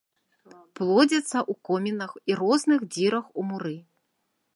Плодзяцца ў комінах і розных дзірах у муры.